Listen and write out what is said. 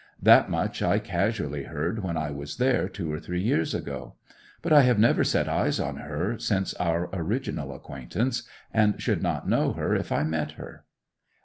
That much I casually heard when I was there two or three years ago. But I have never set eyes on her since our original acquaintance, and should not know her if I met her.